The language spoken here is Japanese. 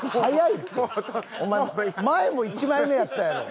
お前前も１枚目やったやろ。